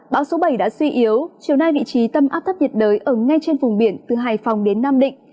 bão số bảy đã suy yếu chiều nay vị trí tâm áp thấp nhiệt đới ở ngay trên vùng biển từ hải phòng đến nam định